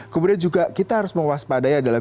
kemudian juga kita harus menguas padanya adalah